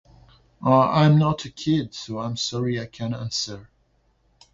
Uh, I'm not a kid, so I'm sorry, I can't answer.